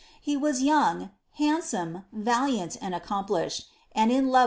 lie was youru, handi^omo, valiant and accomplished, and in love wi.